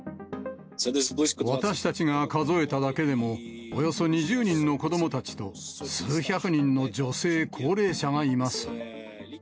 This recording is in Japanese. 私たちが数えただけでも、およそ２０人の子どもたちと、数百人の女性、高齢者がいます。